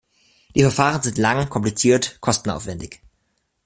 Die Verfahren sind lang, kompliziert, kostenaufwändig.